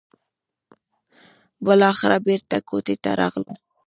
بالاخره بېرته کوټې ته راغلم.